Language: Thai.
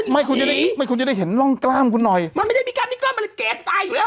ไม่คุณจะได้ไม่คุณจะได้เห็นร่องกล้ามคุณหน่อยมันไม่ได้มีกล้ามที่กล้ามมันเลยแก่จะตายอยู่แล้ว